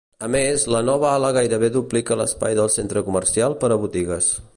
A més, la nova ala gairebé duplica l'espai del centre comercial per a botigues.